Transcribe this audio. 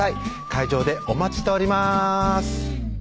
会場でお待ちしております